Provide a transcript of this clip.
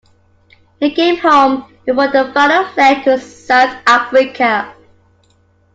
He came home before the final leg to South Africa.